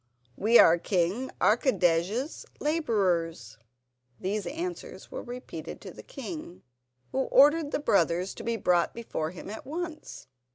"We are King Archidej's labourers." These answers were repeated to the king, who ordered the brothers to be brought before him at once.